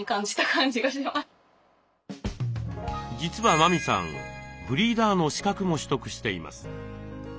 実は麻美さんブリーダーの資格も取得しています。